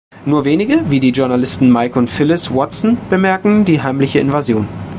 Nur wenige, wie die Journalisten Mike und Phyllis Watson, bemerken die heimliche Invasion.